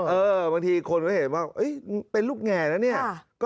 เออบางทีคนก็เห็นว่าเป็นลูกแง่นะเนี่ย